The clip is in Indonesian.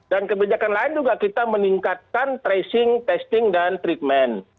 dan kebijakan lain juga kita meningkatkan tracing testing dan treatment